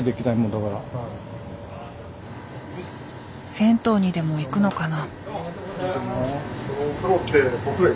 銭湯にでも行くのかな。